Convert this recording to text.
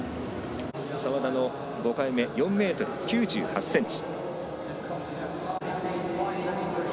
澤田の５回目は４ｍ９８ｃｍ。